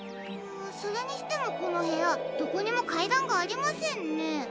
それにしてもこのへやどこにもかいだんがありませんね。